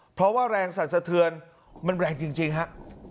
เพราะว่าแรงศัลสเทือนมันแรงจริงจริงฮะ